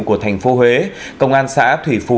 của thành phố huế công an xã thủy phù